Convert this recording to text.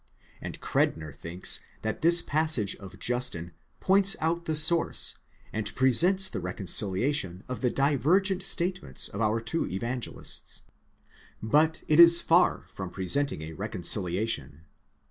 and Credner thinks that this passage of Justin points out the source, and presents the reconciliation of the divergent statements of our two Evangelists. But it is far from presenting a reconcili ation.